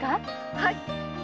はい。